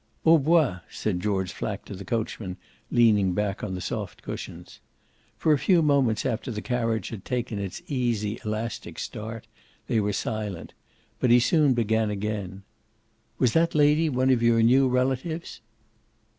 "Au Bois," said George Flack to the coachman, leaning back on the soft cushions. For a few moments after the carriage had taken its easy elastic start they were silent; but he soon began again. "Was that lady one of your new relatives?"